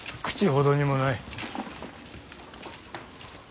口ほどにもない。